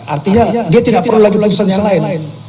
artinya dia tidak perlu lagi pelaksananya lain